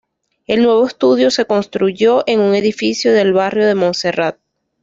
El nuevo estudio se construyó en un edificio del barrio de Monserrat.